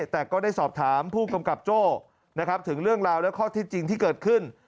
แต่ก็ได้สอบถามผู้กำกับโจ้นะครับถึงเรื่องราวและข้อที่จริงที่เกิดขึ้น